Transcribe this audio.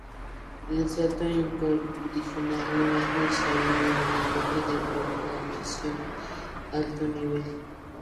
El salto incondicional no es necesario en un lenguaje de programación de alto nivel.